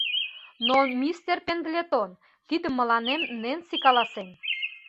— Но, мистер Пендлетон, тидым мыланем Ненси каласен!